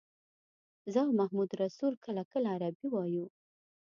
زه او محمدرسول کله کله عربي وایو.